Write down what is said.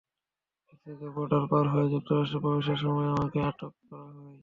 Mexico border পার হয়ে যুক্তরাষ্ট্র প্রবেশের সময় আমাকে আটক করা হয়।